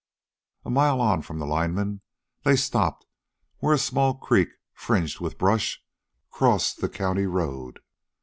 A mile on from the lineman, they stopped where a small creek, fringed with brush, crossed the county road.